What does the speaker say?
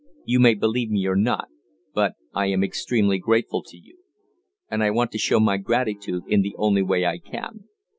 You may believe me or not, but I am extremely grateful to you. And I want to show my gratitude in the only way I can."